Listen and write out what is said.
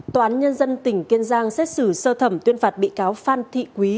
tòa án nhân dân tỉnh kiên giang xét xử sơ thẩm tuyên phạt bị cáo phan thị quý